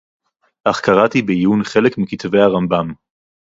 "אך קראתי בעיון חלק מכתבי הרמב"ם"